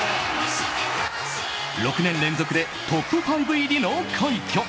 ６年連続でトップ５入りの快挙。